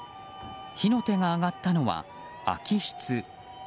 火の手が上がったのは空き室。